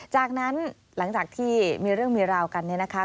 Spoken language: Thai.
จากนั้นหลังจากที่มีเรื่องมีราวกันเนี่ยนะคะ